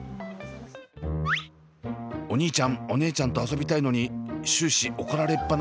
お兄ちゃんお姉ちゃんと遊びたいのに終始怒られっ放しの梨鈴ちゃん。